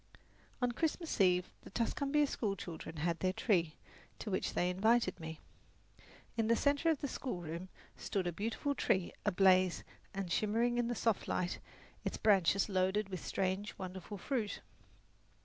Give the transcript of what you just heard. On Christmas Eve the Tuscumbia schoolchildren had their tree, to which they invited me. In the centre of the schoolroom stood a beautiful tree ablaze and shimmering in the soft light, its branches loaded with strange, wonderful fruit.